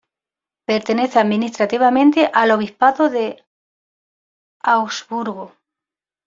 Pertenece administrativamente al Obispado de Augsburgo.